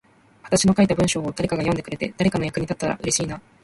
私の書いた文章を誰かが読んでくれて、誰かの役に立ったら嬉しいな。